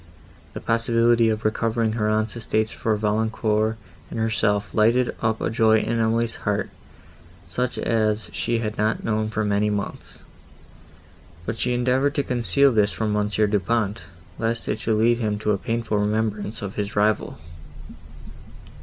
The possibility of recovering her aunt's estates for Valancourt and herself lighted up a joy in Emily's heart, such as she had not known for many months; but she endeavoured to conceal this from Monsieur Du Pont, lest it should lead him to a painful remembrance of his rival.